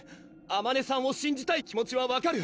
あまねさんをしんじたい気持ちは分かる！